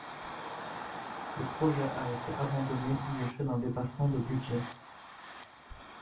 Le projet a été abandonné du fait d'un dépassement de budget.